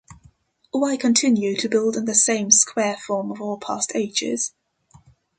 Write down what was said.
Why continue to build in the same square form of all past ages?